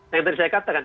yang tadi saya katakan